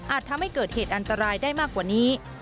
ทำให้เกิดเหตุอันตรายได้มากกว่านี้